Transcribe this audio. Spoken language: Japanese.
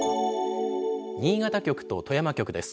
新潟局と富山局です。